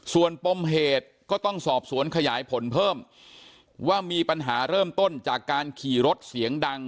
ส่วนปมเหตุก็ต้องสอบสวนขยายผลเพิ่มว่ามีปัญหาเริ่มต้นจากการขี่รถเสียงดัง